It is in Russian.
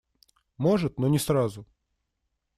Может, но не сразу.